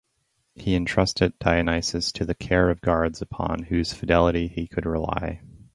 He entrusted Dionysus to the care of guards upon whose fidelity he could rely.